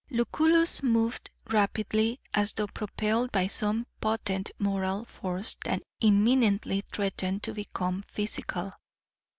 Lucullus moved rapidly, as though propelled by some potent moral force that imminently threatened to become physical.